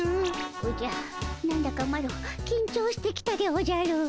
おじゃ何だかマロきんちょうしてきたでおじゃる。